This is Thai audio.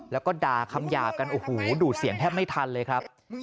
แล้วก็ด่าคำหยาบกันโอ้โหดูดเสียงแทบไม่ทันเลยครับ